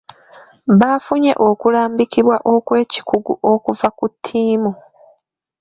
Baafunye okulambikibwa okw'ekikugu okuva ku ttiimu.